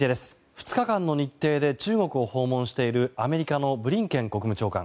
２日間の日程で中国を訪問しているアメリカのブリンケン国務長官。